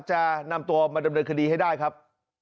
จะนำตัวมาดำเนินคดีให้ได้ครับ